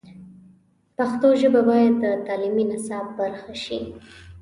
پښتو ژبه باید د تعلیمي نصاب برخه شي.